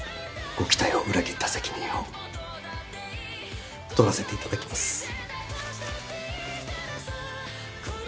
ご期待を裏切った責任を取らせていただきます。